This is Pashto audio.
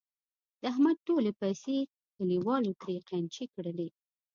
د احمد ټولې پیسې کلیوالو ترې قېنچي کړلې.